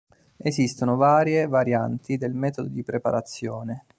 Esistono varie varianti del metodo di preparazione.